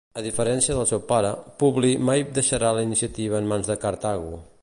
A diferència del seu pare, Publi mai deixarà la iniciativa en mans de Cartago.